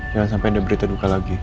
jangan sampai anda berita duka lagi